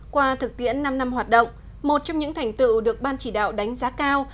qua thực tiễn năm năm hoạt động một trong những thành tựu được ban chỉ đạo đánh giá cao